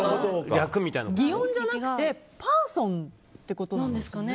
擬音じゃなくてピープルってことなんですかね。